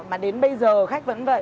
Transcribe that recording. mà đến bây giờ khách vẫn vậy